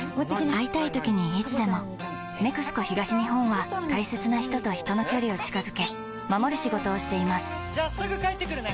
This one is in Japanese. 会いたいときにいつでも「ＮＥＸＣＯ東日本」は大切な人と人の距離を近づけ守る仕事をしていますじゃあすぐ帰ってくるね！